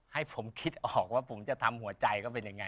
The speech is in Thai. ให้ผมคิดออกว่าผมจะทำหัวใจก็เป็นยังไง